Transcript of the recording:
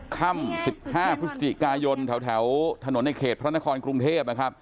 ค่ำ๑๕พฤศจิกายนแถวถนนในเขตพระนครกรุงเทพนะครับ